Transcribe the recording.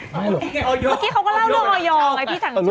ไม่หรอ